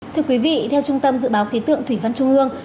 thưa quý vị theo trung tâm dự báo khí tượng thủy văn trung ương